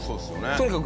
とにかく。